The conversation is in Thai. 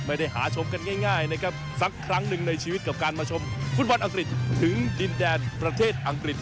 ไม่ได้หาชมกันง่ายนะครับสักครั้งหนึ่งในชีวิตกับการมาชมฟุตบอลอังกฤษถึงดินแดนประเทศอังกฤษ